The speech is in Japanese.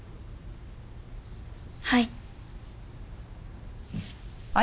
はい。